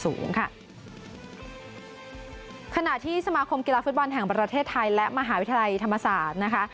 ขณะที่สมาคมกีฬาฟุตบอลแห่งประเทศไทยและมหาวิทยาลัยธรรมศาสตร์นะคะ